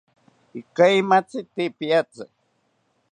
Ikaimaitzimi te piatzi